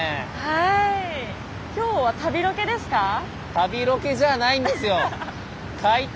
旅ロケじゃないんですよ。